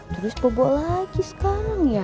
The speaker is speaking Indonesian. terus bobo lagi sekarang ya